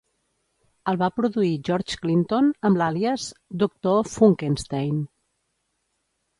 El va produir George Clinton amb l'àlies Doctor Funkenstein.